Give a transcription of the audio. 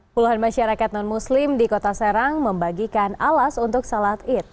puluhan masyarakat non muslim di kota serang membagikan alas untuk salat id